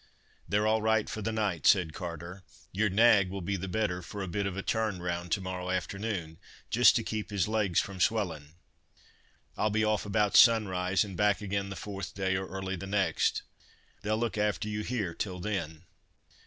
"They're all right for the night," said Carter. "Your nag will be the better for a bit of a turn round to morrow afternoon, just to keep his legs from swellin'. I'll be off about sunrise, and back again the fourth day, or early the next. They'll look after you here, till then."